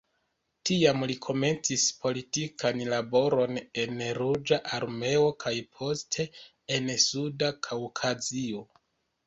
Tiam li komencis politikan laboron en la Ruĝa Armeo kaj poste en Suda Kaŭkazio.